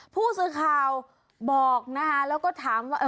ผู้สื่อข่าวบอกนะคะแล้วก็ถามว่า